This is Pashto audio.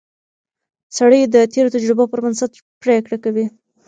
سړی د تېرو تجربو پر بنسټ پریکړه کوي